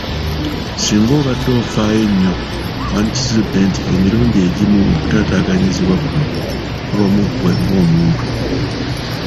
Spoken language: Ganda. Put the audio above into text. Singa obadde ofaayo nnyo, wandikizudde nti emirundi egimu okutaataganyizibwa kuno kuba mu ggwe ng’omuntu.